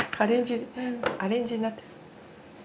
アレンジになってる。